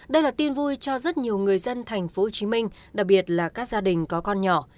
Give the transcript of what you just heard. đây là tin vui cho rất nhiều người dân tp hcm đặc biệt là các gia đình có con nhỏ